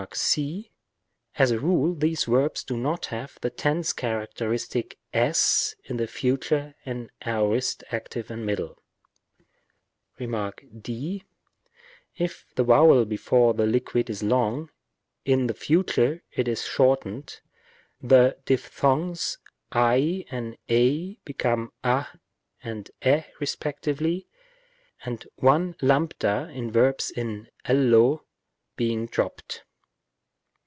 =e Rem. c. As a rule, these verbs do not have the tense characteristic (c) in the future and aorist active and middle. Rem. d. If the vowel before the liquid is long, in the future it is shortened, the diphthongs a: and εἰ becoming ἃ and ε respectively; and one ἃ in verbs in λλω being dropped.